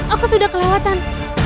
aku sudah kelewatan